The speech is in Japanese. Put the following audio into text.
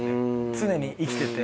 常に生きてて。